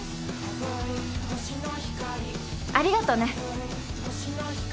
ありがとね。